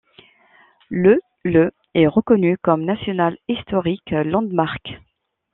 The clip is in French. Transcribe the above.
Le le est reconnu comme National Historic Landmark.